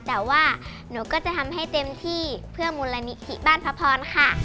แต่ว่าหนูก็จะทำให้เต็มที่เพื่อมูลนิธิบ้านพระพรค่ะ